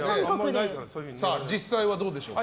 実際はどうでしょうか？